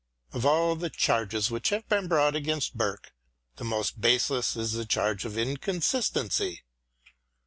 Of all the charges which have been brought against Burke the most baseless is the charge of inconsistency.